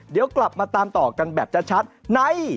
เดี๋ยวกลับมาตามต่อกันแบบชัดใน